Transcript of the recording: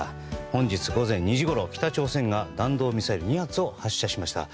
本日午前２時ごろ、北朝鮮が弾道ミサイル２発を発射しました。